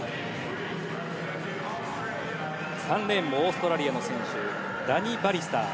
３レーン、オーストラリアの選手ラニ・パリスター。